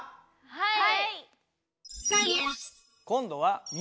はい。